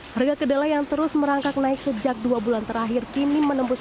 harga kedelai yang terus merangkak naik sejak dua bulan terakhir kini menembus